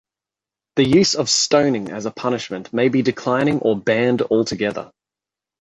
The use of stoning as a punishment may be declining or banned altogether.